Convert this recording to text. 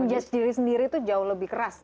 menjes diri sendiri tuh jauh lebih keras kan